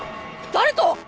誰と！